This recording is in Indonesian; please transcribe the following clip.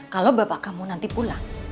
kalau bapak kamu nanti pulang